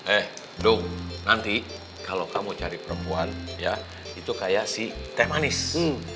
eh dung nanti kalau kamu cari perempuan ya itu kayak si teh manis